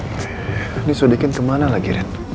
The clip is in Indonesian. ini sudah diken kemana lagi ren